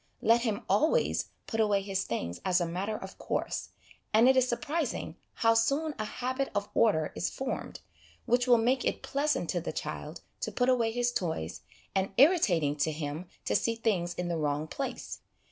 Let him always put away his things as a matter of course, and it is surprising how soon a habit of order is formed, which will make it pleasant to the child to put away his toys, and irritating to him to see things in the wrong place.